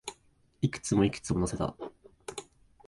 いくつも、いくつも乗せた